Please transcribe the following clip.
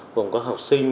gồm có học sinh